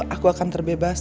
aku akan terbebas